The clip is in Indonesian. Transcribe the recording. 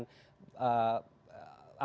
dprd dan pemerintah pusat gitu ya